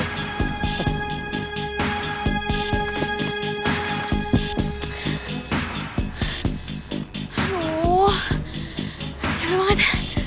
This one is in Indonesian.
aduh habis sampe banget